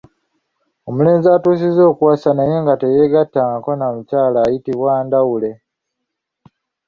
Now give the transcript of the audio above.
Omulenzi atuusizza okuwasa naye nga teyeegattangako na mukazi ayitibwa ndawule.